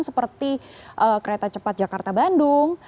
seperti kereta cepat jakarta bandung